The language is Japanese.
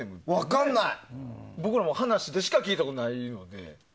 僕らも話でしか聞いたことがないので。